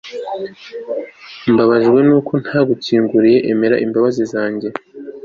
mbabajwe nuko ntagukinguriye. emera imbabazi zanjye